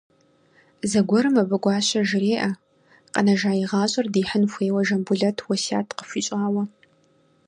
Зэгуэрым абы Гуащэ жреӏэ, къэнэжа и гъащӏэр дихьын хуейуэ Жамбулэт уэсят къыхуищӏауэ.